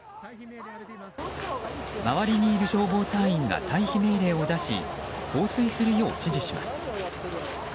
周りにいる消防隊員が退避命令を出し放水するよう指示します。